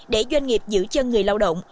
để doanh nghiệp giữ chân người lao động